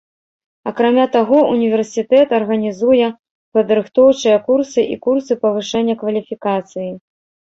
Акрамя таго, універсітэт арганізуе падрыхтоўчыя курсы і курсы павышэння кваліфікацыі.